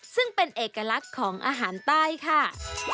ซึ่งเป็นเอกลักษณ์ของอาหารใต้ค่ะ